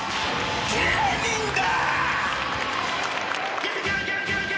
［芸人だ！］